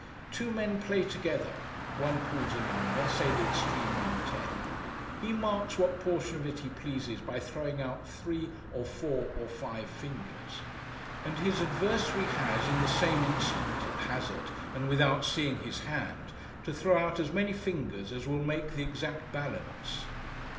Two men play together. One calls a number—say the extreme one, ten. He marks what portion of it he pleases by throwing out three, or four, or five fingers; and his adversary has, in the same instant, at hazard, and without seeing his hand, to throw out as many fingers, as will make the exact balance.